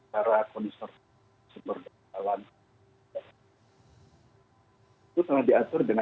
karena memang bicara konservasi